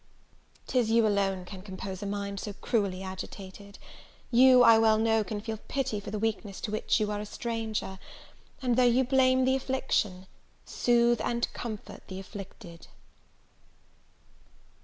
'Tis you alone can compose a mind so cruelly agitated: you, I well know, can feel pity for the weakness to which you are a stranger; and, though you blame the affliction, soothe and comfort the afflicted.